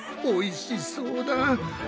おいしそうだ！